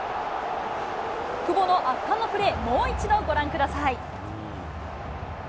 久保の圧巻のプレー、もう一度ご覧ください。